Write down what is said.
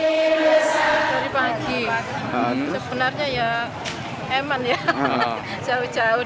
pagi pagi sebenarnya ya emang ya jauh jauh